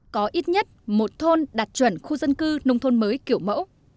có ít nhất một thôn đạt chuẩn khu dân cư nông thôn mới kiểu mẫu